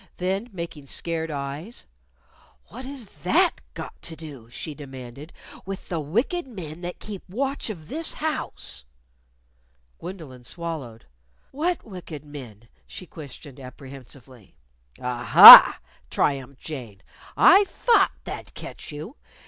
Then, making scared eyes, "What has that got to do," she demanded, "with the wicked men that keep watch of this house?" Gwendolyn swallowed. "What wicked men?" she questioned apprehensively. "Ah ha!" triumphed Jane. "I thought that'd catch you!